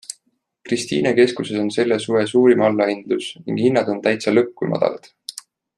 Kristiine keskuses on selle suve suurim allahindlus ning hinnad on TÄITSA LÕPP kui madalad.